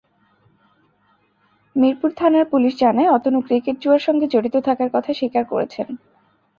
মিরপুর থানার পুলিশ জানায়, অতনু ক্রিকেট জুয়ার সঙ্গে জড়িত থাকার কথা স্বীকার করেছেন।